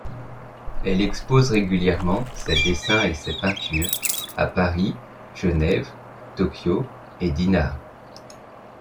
Elle expose régulièrement ses dessins et ses peintures à Paris, Genève, Tokyo et Dinard.